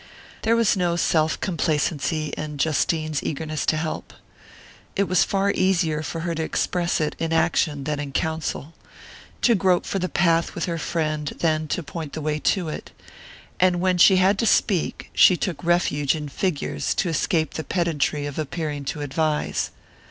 There was no self complacency in Justine's eagerness to help. It was far easier for her to express it in action than in counsel, to grope for the path with her friend than to point the way to it; and when she had to speak she took refuge in figures to escape the pedantry of appearing to advise.